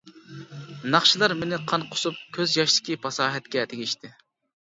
ناخشىلار مېنى قان قۇسۇپ كۆز ياشتىكى پاساھەتكە تېگىشتى.